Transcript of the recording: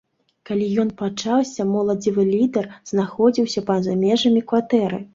Калі ён пачаўся, моладзевы лідэр знаходзіўся па за межамі кватэры.